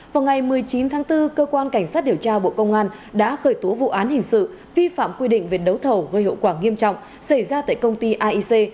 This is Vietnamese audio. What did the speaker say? vào ngày một mươi chín tháng bốn cơ quan cảnh sát điều tra bộ công an đã khởi tố vụ án hình sự vi phạm quy định về đấu thầu gây hậu quả nghiêm trọng xảy ra tại công ty aic